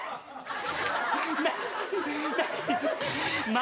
何？